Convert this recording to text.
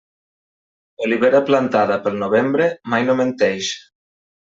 Olivera plantada pel novembre, mai no menteix.